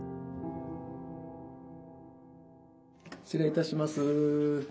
失礼いたします。